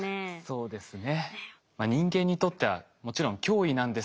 そうですね。